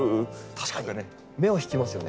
確かに目を引きますよね。